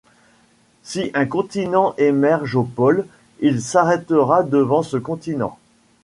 Si un continent émerge au pôle, il s’arrêtera devant ce continent.